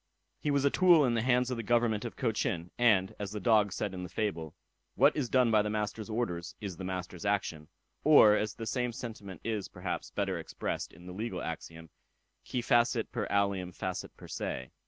He was a tool in the hands of the government of Cochin; and, as the dog said in the fable, "What is done by the master's orders, is the master's action;" or, as the same sentiment is, perhaps, better expressed in the legal axiom; "Qui facit per alium facit per se."